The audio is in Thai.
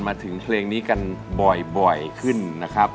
มาถึงเพลงนี้กันบ่อยขึ้นนะครับ